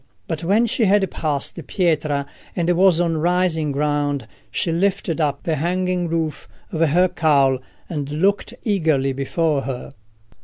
But when she had passed Pietra and was on rising ground, she lifted up the hanging roof of her cowl and looked eagerly before her.